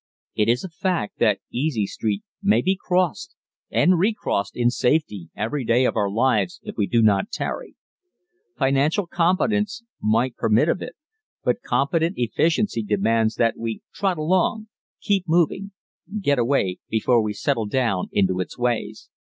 Now it is a fact that "Easy Street" may be crossed and recrossed in safety every day of our lives if we do not tarry. Financial competence might permit of it, but competent efficiency demands that we trot along keep moving get away before we settle down into its ways.